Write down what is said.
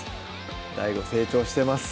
ＤＡＩＧＯ成長してます